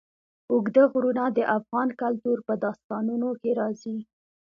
اوږده غرونه د افغان کلتور په داستانونو کې راځي.